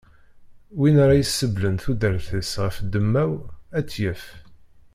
Win ara isebblen tudert-is ɣef ddemma-w, ad tt-yaf.